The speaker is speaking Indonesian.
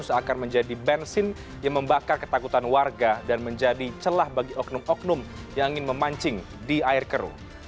seakan menjadi bensin yang membakar ketakutan warga dan menjadi celah bagi oknum oknum yang ingin memancing di air keruh